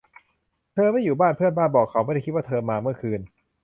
เธอไม่อยู่บ้าน เพื่อนบ้านบอกเขาไม่ได้คิดว่าเธอมาเมื่อคืน